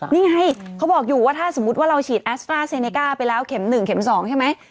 นี่ไงเขาบอกอยู่ว่าถ้าเราฉีดแอสตาร์ซาเซเนก่าไปแล้วขุม๑ขุม๒ใช่ไหม